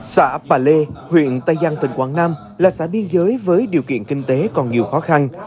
xã bà lê huyện tây giang tỉnh quảng nam là xã biên giới với điều kiện kinh tế còn nhiều khó khăn